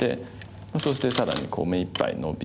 そして更に目いっぱいノビて。